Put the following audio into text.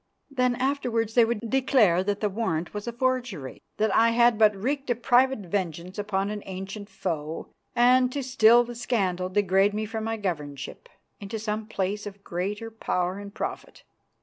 Then afterwards they would declare that the warrant was a forgery, that I had but wreaked a private vengeance upon an ancient foe, and, to still the scandal, degrade me from my governorship into some place of greater power and profit.